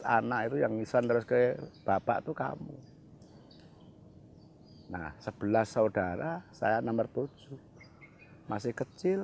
anak itu yang nisan terus ke bapak tuh kamu hai nah sebelas saudara saya nomor tujuh masih kecil